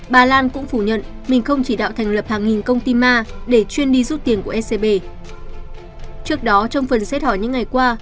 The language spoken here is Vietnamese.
trước đó trong phần xét hỏi những ngày qua